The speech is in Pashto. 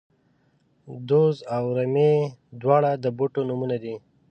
دوز او زمۍ، دواړه د بوټو نومونه دي